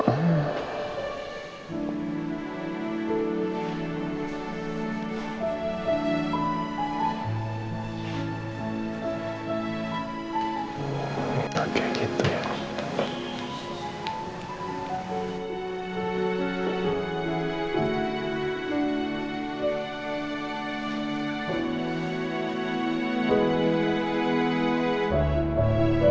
oke gitu ya